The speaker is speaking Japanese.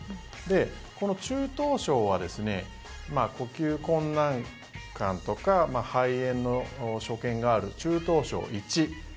この中等症は呼吸困難感とか肺炎の所見がある中等症１。